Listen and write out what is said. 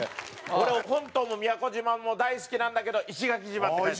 俺は本島も宮古島も大好きなんだけど石垣島って書いた。